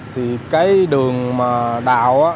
thì cái đường mà đào